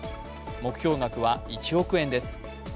目標額は１億円です。